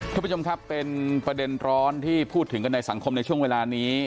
คุณผู้ชมครับเป็นประเด็นร้อนที่พูดถึงกันในสังคมในช่วงเวลานี้